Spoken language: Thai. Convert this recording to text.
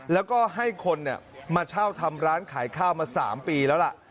แล้วก็ให้คนมาเช่าทำร้านขายข้าวมา๓ปีแล้วล่ะ